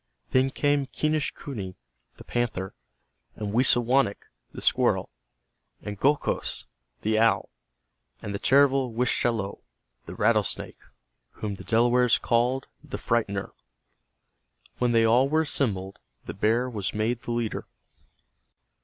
Then came Quenischquney, the panther, and Wisawanik, the squirrel, and Gokhos, the owl, and the terrible Wischalowe, the rattlesnake, whom the Delawares called "The Frightener." When they all were assembled, the bear was made the leader.